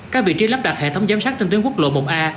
các vị trí lắp đặt hệ thống giám sát trên tuyến quốc lộ một a